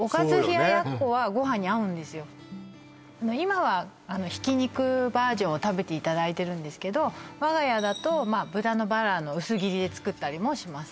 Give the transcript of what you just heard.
今はひき肉バージョンを食べていただいてるんですけど我が家だと豚のバラの薄切りで作ったりもします